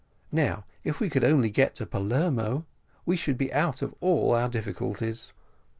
Now, if we could only get to Palermo, we should be out of all our difficulties."